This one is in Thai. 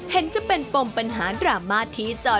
เห็นจะเป็นปมปัญหาดราม่าที่จอย